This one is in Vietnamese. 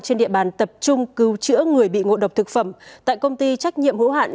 trên địa bàn tập trung cứu chữa người bị ngộ độc thực phẩm tại công ty trách nhiệm hữu hạn